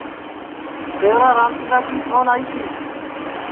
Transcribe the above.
سیورا رامچندا کی پھون آئی تی